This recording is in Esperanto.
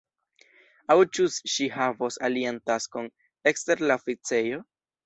Aŭ ĉu ŝi havos alian taskon, ekster la oficejo?